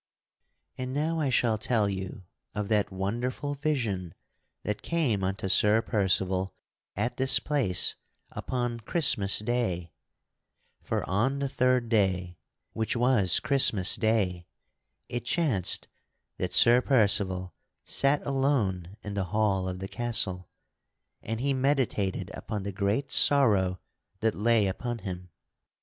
And now I shall tell you of that wonderful vision that came unto Sir Percival at this place upon Christmas day. [Sidenote: Sir Percival beholds the grail] For on the third day (which was Christmas day) it chanced that Sir Percival sat alone in the hall of the castle, and he meditated upon the great sorrow that lay upon him.